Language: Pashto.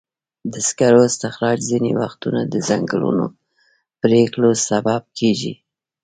د سکرو استخراج ځینې وختونه د ځنګلونو پرېکولو سبب کېږي.